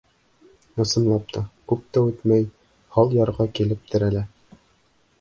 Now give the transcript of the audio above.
Ысынлап та, күп тә үтмәй, һал ярға килеп терәлә.